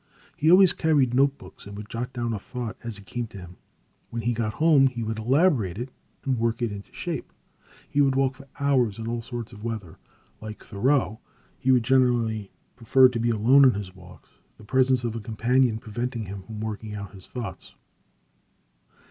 He always carried note books and would jot down a thought as it came to him. When he got home he would elaborate it and work it into shape. He would walk for hours in all sorts of weather. Like Thoreau, he generally preferred to be alone in his walks, the presence of a companion preventing him from working out his thoughts.